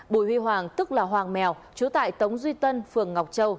bùi huy hoàng tức là hoàng mèo chú tại tống duy tân phường ngọc châu